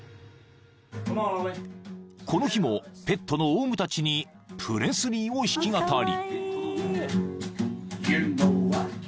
［この日もペットのオウムたちにプレスリーを弾き語り］